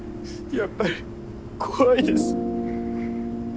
やっぱり怖いです。